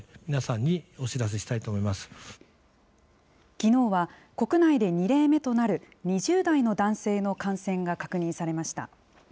きのうは国内で２例目となる、２０代の男性の感染が確認されました。